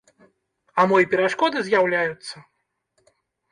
А мо і перашкоды з'яўляюцца?